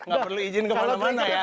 nggak perlu izin kemana mana ya